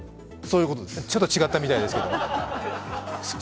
ちょっと違ったみたいですけど。